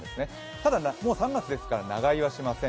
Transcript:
ただ３月ですから長居はしません。